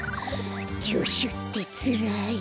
じょしゅってつらい。